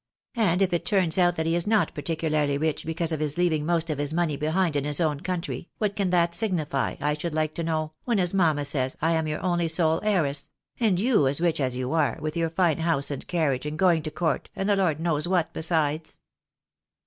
And if it turns out that he is not particularly ricli because of his leaving most of his money behind in his own country, what can that signify, I should like to know, when, as mamma says, I am your only sole heiress ; and you, as rich as you are, with your fine house and carriage, and going to court, and the lord knows what besides